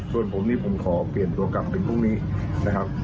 ส่วนผมนี่ผมขอเปลี่ยนตัวกลับเป็นพรุ่งนี้นะครับ